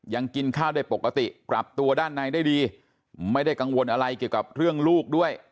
ยังกินข้าวได้ปกติปรับตัวด้านในได้ดีไม่ได้กังวลอะไรเกี่ยวกับเรื่องลูกด้วย